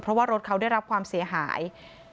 เพราะว่ารถเขาได้รับความเสียหาย